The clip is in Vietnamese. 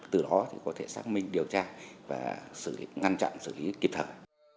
từ đó thì có thể xác minh điều tra và ngăn chặn xử lý kịp thời